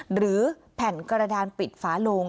หรือแผ่นกระดานปิดฝาโลง